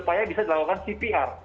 saya bisa dilakukan cpr